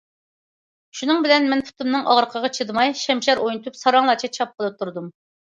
شۇنىڭ بىلەن مەن پۇتۇمنىڭ ئاغرىقىغا چىدىماي شەمشەر ئوينىتىپ ساراڭلارچە چاپقىلى تۇردۇم.